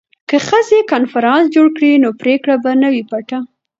که ښځې کنفرانس جوړ کړي نو پریکړه به نه وي پټه.